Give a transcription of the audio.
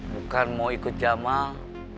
bukan mau ikut jamal